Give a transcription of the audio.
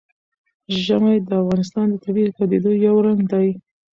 ژمی د افغانستان د طبیعي پدیدو یو رنګ دی.